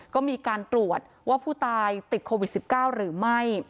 ก็มีการตรวจว่าผู้ตายติดโควิด๑๙หรือไม่